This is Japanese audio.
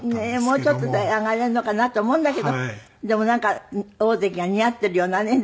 もうちょっとで上がれるのかなと思うんだけどでもなんか大関が似合ってるようなね。